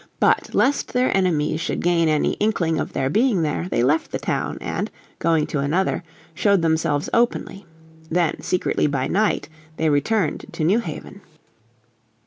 But lest their enemies should gain any inkling of their being there they left the town and, going to another, showed themselves openly. Then secretly by night they returned to New Haven.